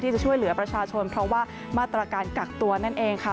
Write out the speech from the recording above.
จะช่วยเหลือประชาชนเพราะว่ามาตรการกักตัวนั่นเองค่ะ